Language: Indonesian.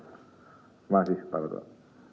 terima kasih pak bapak